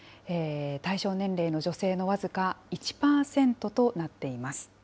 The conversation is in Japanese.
対象年齢の女性の僅か１％となっています。